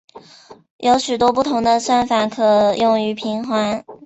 有许多不同的算法可用于平滑。